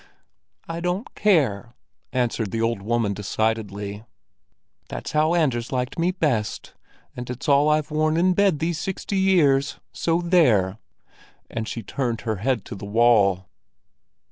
"I don't care!" answered the old woman decidedly. "That's how Anders liked me best, and it's all I've worn in bed these sixty years. So there!" And she turned her head to the wall.